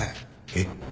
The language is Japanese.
えっ？